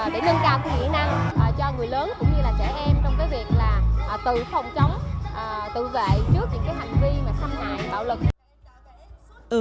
để nâng cao những kỹ năng cho người lớn cũng như là trẻ em trong cái việc là tự phòng chống tự vệ trước những cái hành vi mà xâm hại bạo lực